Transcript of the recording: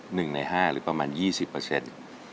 หนึ่งในห้าหรือประมาณยี่สิบเปอร์เซ็นต์